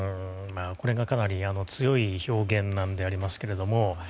これが、かなり強い表現なんでありますけれども。